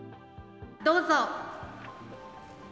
どうぞ。